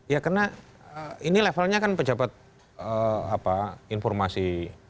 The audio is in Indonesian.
ya karena ini levelnya kan pejabat informasi